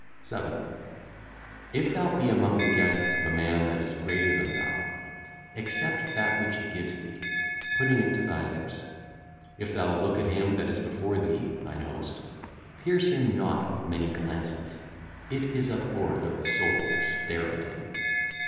7. If thou be among the guests of a man that is greater than thou, accept that which he giveth thee, putting it to thy lips. If thou look at him that is before thee (thine host), pierce him not with many glances. It is abhorred of the soul to stare at him.